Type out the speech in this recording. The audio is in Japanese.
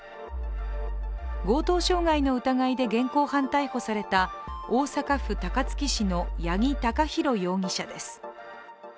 強盗傷害の疑いで現行犯逮捕された大阪府高槻市の八木貴寛容疑者です。